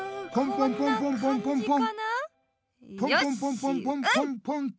ポンポンポンポンポンポンと。